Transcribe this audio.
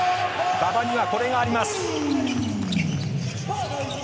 馬場にはこれがあります。